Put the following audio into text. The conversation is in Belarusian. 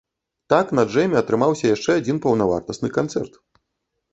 Так, на джэме атрымаўся яшчэ адзін паўнавартасны канцэрт!